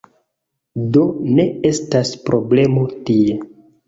Do, ne estas problemo tie